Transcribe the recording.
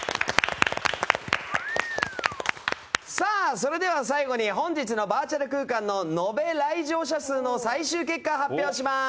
それでは最後に本日のバーチャル空間の延べ来場者数の最終結果を発表します。